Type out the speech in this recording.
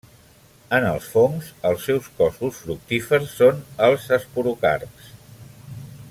En els fongs els seus cossos fructífers són els esporocarps.